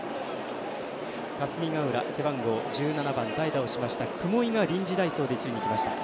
霞ヶ浦、背番号１７番代打をしました雲井が臨時代走でいきました。